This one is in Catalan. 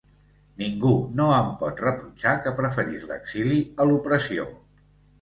Ningú no em pot reprotxar que preferís l'exili a l'opressió.